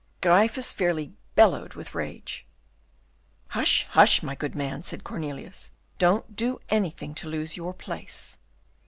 Gryphus fairly bellowed with rage. "Hush, hush, my good man," said Cornelius, "don't do anything to lose your place."